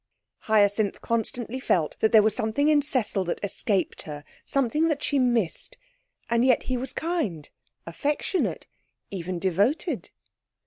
Hyacinth constantly felt that there was something in Cecil that escaped her, something that she missed. And yet he was kind, affectionate, even devoted.